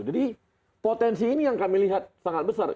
jadi potensi ini yang kami lihat sangat besar